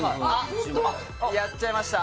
やっちゃいました？